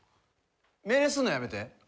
命令するのやめて。